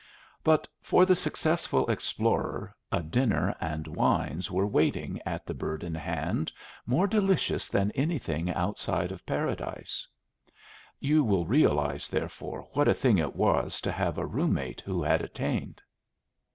But for the successful explorer a dinner and wines were waiting at the Bird in Hand more delicious than anything outside of Paradise. You will realize, therefore, what a thing it was to have a room mate who had attained.